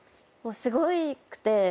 すごくて。